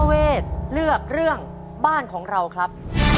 เวทเลือกเรื่องบ้านของเราครับ